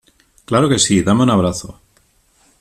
Claro que sí. Dame un abrazo .